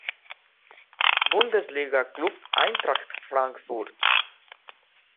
Bundesliga club Eintracht Frankfurt.